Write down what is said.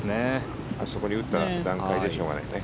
あそこに打った段階でしょうがないね。